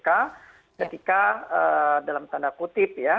ketika dalam tanda kutip ya